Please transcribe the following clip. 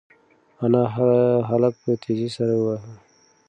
انا هلک په تېزۍ سره وواهه.